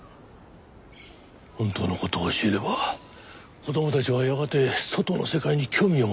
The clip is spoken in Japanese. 本当の事を教えれば子供たちはやがて外の世界に興味を持ってしまう。